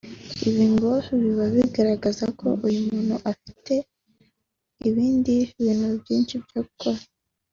Ibi ngo biba bigaragaza ko uyu muntu aba afite ibindi bintu byinshi byo gukora